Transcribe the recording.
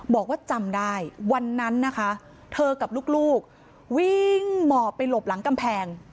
บอกว่าจำได้วันนั้นนะคะเธอกับลูกวิ่งหมอบไปหลบหลังกำแพง